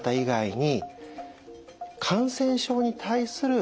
に